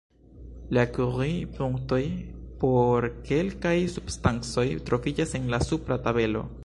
La Curie-punktoj por kelkaj substancoj troviĝas en la supra tabelo.